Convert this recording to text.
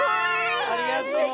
ありがとう。